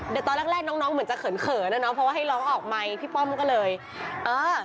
เดี๋ยวตอนแรกแรกน้องน้องเหมือนจะเขินเขินอ่ะเนาะเพราะว่าให้ร้องออกใหม่พี่ป้อมก็เลยเออ